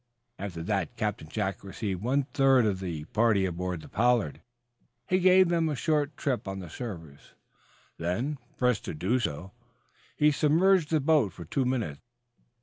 After that Captain Jack received one third of the party aboard the "Pollard." He gave them a short trip on the surface. Then, pressed to do so, he submerged the boat for two minutes.